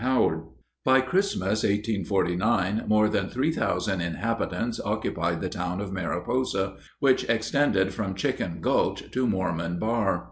Howard." By Christmas, 1849, more than three thousand inhabitants occupied the town of Mariposa, which extended from Chicken Gulch to Mormon Bar.